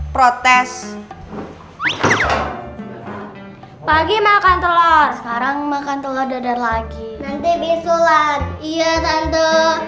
pagi makan telur sekarang makan telur dadar lagi nanti bisulat iya tante